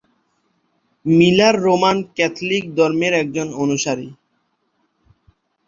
Miller Roman Catholic ধর্মের একজন অনুসারী।